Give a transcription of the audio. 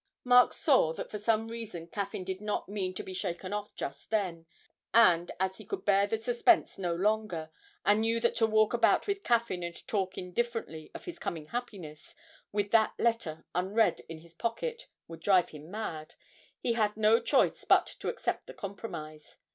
Mark saw that for some reason Caffyn did not mean to be shaken off just then, and, as he could bear the suspense no longer, and knew that to walk about with Caffyn and talk indifferently of his coming happiness with that letter unread in his pocket would drive him mad, he had no choice but to accept the compromise.